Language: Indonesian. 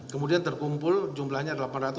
kemudian terkumpul jumlahnya delapan ratus lima puluh